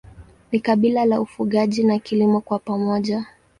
Ni kabila la ufugaji na kilimo kwa pamoja.